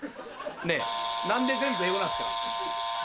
ねぇ何で全部英語なんすか？